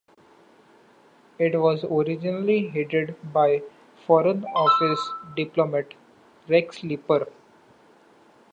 It was originally headed by Foreign Office diplomat Rex Leeper.